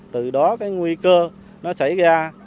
từ đó cái nguy cơ nó xảy ra